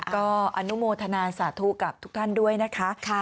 ก็อนุโมทนาสาธุกับทุกท่านด้วยนะคะ